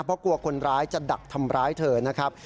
เพราะกลัวคนร้ายจะดักทำร้ายเธอนะครับ